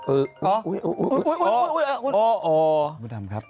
เอออ๋อบุรระดำครับ